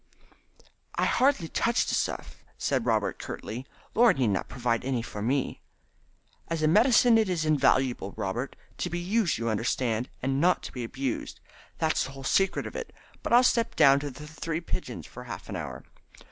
"I hardly touch the stuff," said Robert curtly; "Laura need not provide any for me." "As a medicine it is invaluable, Robert. To be used, you understand, and not to be abused. That's the whole secret of it. But I'll step down to the Three Pigeons for half an hour."